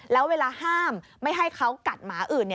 แล้วเวลาห้ามไม่ให้เขากัดหมาอื่น